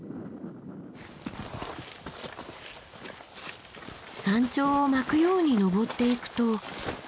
山頂を巻くように登っていくと。